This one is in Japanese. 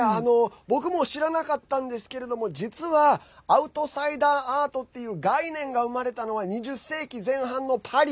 僕も知らなかったんですけれども実はアウトサイダーアートっていう概念が生まれたのは２０世紀前半のパリ。